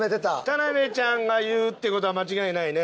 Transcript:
田辺ちゃんが言うって事は間違いないね。